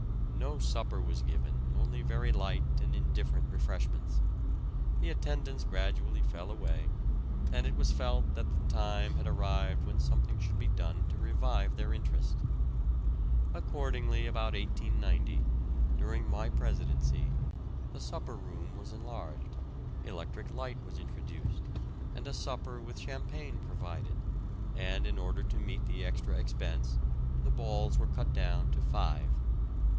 No supper was given, only very light and indifferent refreshments. The attendance gradually fell away, and it was felt that the time had arrived when something should be done to revive their interest. Accordingly, about 1890, during my presidency, the supper room was enlarged, electric light was introduced, and a supper with champagne provided, and in order to meet the extra expense the balls were cut down to five.